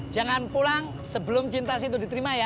jangan pulang sebelum cinta si itu diterima ya